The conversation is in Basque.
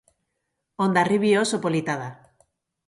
Hondarribi oso polita da